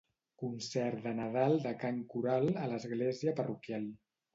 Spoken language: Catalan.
Concert de Nadal de cant coral a l'església parroquial.